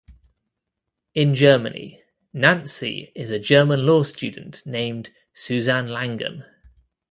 In Germany, Nancy is a German law student named Susanne Langen.